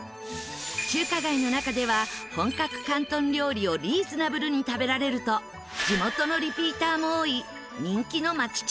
中華街の中では本格広東料理をリーズナブルに食べられると地元のリピーターも多い人気の町中華なんです。